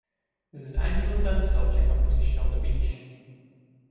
There is an annual sand sculpture competition on the beach.